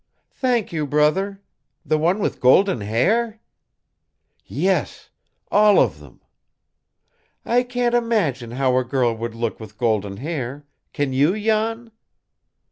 "Thank you, brother! The one with golden hair?" "Yes, all of them." "I can't imagine how a girl would look with golden hair; can you, Jan?"